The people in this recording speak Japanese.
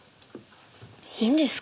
いいんですか？